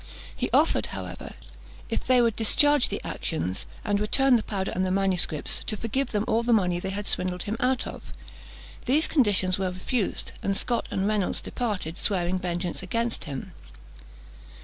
He offered, however, if they would discharge the actions, and return the powder and the manuscripts, to forgive them all the money they had swindled him out of. These conditions were refused; and Scot and Reynolds departed, swearing vengeance against him.